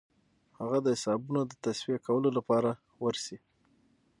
هغه د حسابونو د تصفیه کولو لپاره ورسي.